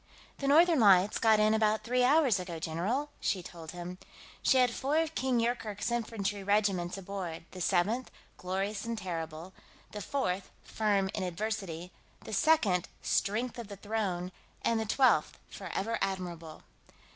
"The Northern Lights got in about three hours ago, general," she told him. "She had four of King Yoorkerk's infantry regiments aboard the Seventh, Glorious and Terrible, the Fourth, Firm in Adversity, the Second, Strength of the Throne, and the Twelfth, Forever Admirable.